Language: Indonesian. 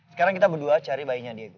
sekarang kita berdua cari bayinya dia